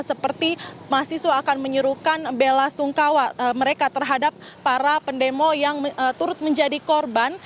seperti mahasiswa akan menyuruhkan bela sungkawa mereka terhadap para pendemo yang turut menjadi korban